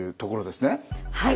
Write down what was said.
はい。